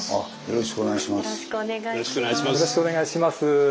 よろしくお願いします。